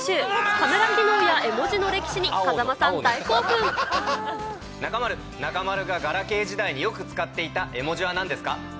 カメラ機能や絵文字の歴史に風間さん、中丸、中丸がガラケー時代によく使っていた絵文字はなんですか。